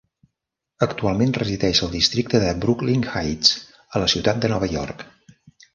Actualment resideix al districte de Brooklyn Heights, a la ciutat de Nova York.